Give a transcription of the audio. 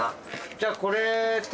じゃあこれと。